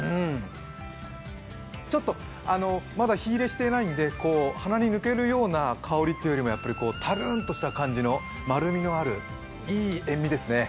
ちょっとまだ火入れしていないんで鼻に抜けるような香りというよりもたるーんとした感じの丸みのあるいい塩みですね。